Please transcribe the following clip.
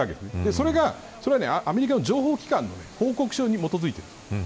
それはアメリカの情報機関の報告書に基づいている。